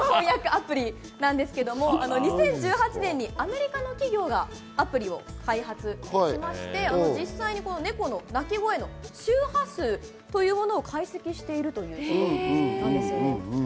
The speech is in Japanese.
２０１８年にアメリカの企業がアプリを開発しまして、実際にネコの鳴き声を周波数というものを解析しているということです。